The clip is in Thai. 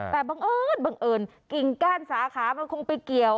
แต่บังเอิญบังเอิญกิ่งก้านสาขามันคงไปเกี่ยว